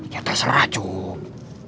ya terserah cuuub